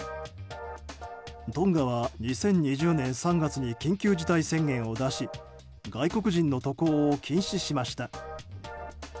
トンガは２０２０年３月に緊急事態宣言を出し外国人の渡航を禁止しました。